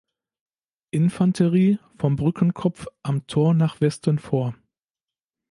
Infanterie vom Brückenkopf am Tor nach Westen vor.